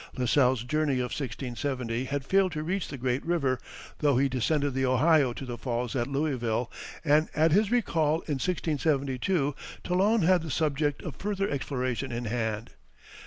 La Salle's journey of 1670 had failed to reach the great river, though he descended the Ohio to the falls at Louisville, and at his recall in 1672 Talon had the subject of further exploration in hand.